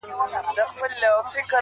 او له سترگو يې څو سپيني مرغلري~